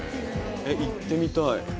行ってみたい。